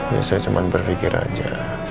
ya saya cuma berpikir aja